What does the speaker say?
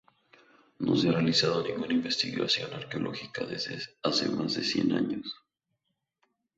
No se ha realizado ninguna investigación arqueológica desde hace más de cien años.